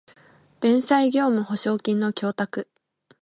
弁済業務保証金の供託